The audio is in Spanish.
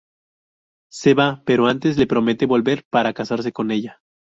Se va, pero antes le promete volver para casarse con ella.